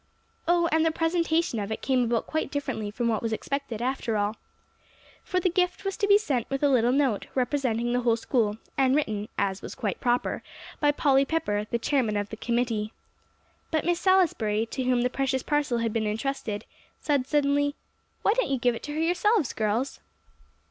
Oh, and the presentation of it came about quite differently from what was expected, after all. For the gift was to be sent with a little note, representing the whole school, and written, as was quite proper, by Polly Pepper, the chairman of the committee. But Miss Salisbury, to whom the precious parcel had been intrusted, said suddenly, "Why don't you give it to her yourselves, girls?"